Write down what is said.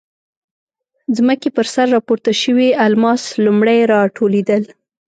ځمکې پر سر راپورته شوي الماس لومړی راټولېدل.